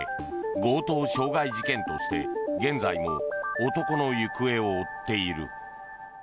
強盗傷害事件として現在も男の行方を追っている。